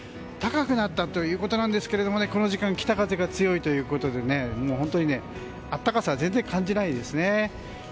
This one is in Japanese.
高くなったということなんですがこの時間北風が強いということで暖かさは全然感じないですね。